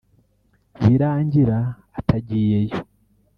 birangira atagiyeyo